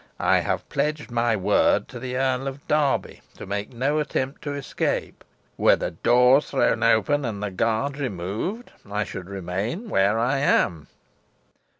I have pledged my word to the Earl of Derby to make no attempt to escape. Were the doors thrown open, and the guard removed, I should remain where I am."